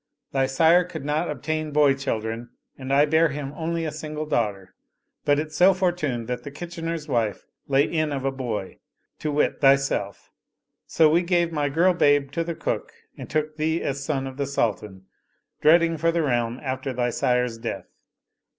Thy sire could not ob tain boy children and I bare him only a single daughter. But it so fortuned that the kitchener's wife lay in of a boy (to wit, thyself) ; so we gave my girl babe to the cook and took thee as a son of the Sultan, dreading for the realm after thy sire's death."